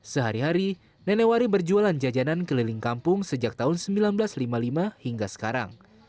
sehari hari nenek wari berjualan jajanan keliling kampung sejak tahun seribu sembilan ratus lima puluh lima hingga sekarang